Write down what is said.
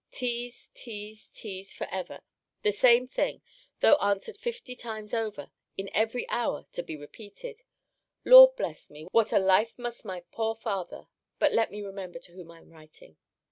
Tease, tease, tease, for ever! The same thing, though answered fifty times over, in every hour to be repeated Lord bless me! what a life must my poor father But let me remember to whom I am writing.